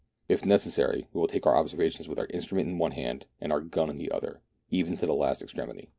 If necessary, we will take our observations with our instrument in one hand and our gun in the other, even to^ the last extremity."